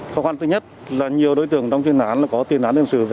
khó khăn thứ nhất là nhiều đối tượng trong chuyên án có tiền án đem sử dụng đánh bạc